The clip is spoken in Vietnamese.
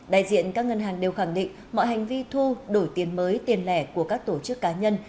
đại diện các ngân hàng đều khẳng định mọi hành vi thu đổi tiền mới tiền lẻ của các tổ chức cá nhân